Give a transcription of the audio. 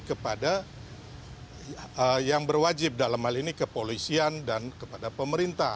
kepada yang berwajib dalam hal ini kepolisian dan kepada pemerintah